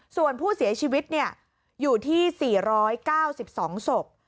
ส่วนผู้เสียชีวิตอยู่ที่๔๙๒ศพ